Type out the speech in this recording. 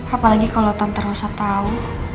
apalagi kalau tante rusa tahu